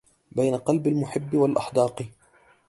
بين قلب المحب والأحداق